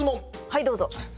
はいどうぞ。